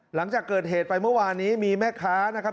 หลังจากเกิดเหตุไปเมื่อวานนี้มีแม่ค้านะครับ